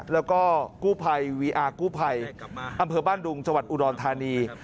แล้วก็กู้ภัยวีอาร์กู้ภัยอำเภอบ้านดุงจังหวัดอุดรธานี